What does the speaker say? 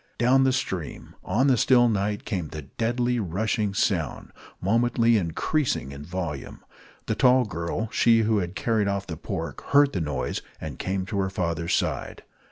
Down the stream, on the still night, came the deadly, rushing sound, momently increasing in volume. The tall girl, she who had carried off the pork, heard the noise, and came to her father's side.